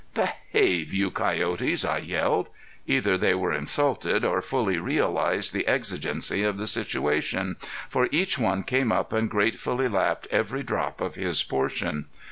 "Behave, you coyotes!" I yelled. Either they were insulted or fully realized the exigency of the situation, for each one came up and gratefully lapped every drop of his portion.